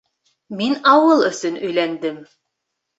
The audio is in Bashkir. Мин ауыл өсөн өйләндем.